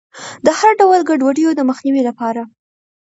د هر ډول ګډوډیو د مخنیوي لپاره.